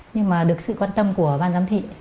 nhưng mà được sự quan tâm của ban giám thị